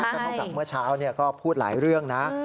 ก็เท่ากับเมื่อเช้าก็พูดหลายเรื่องนะ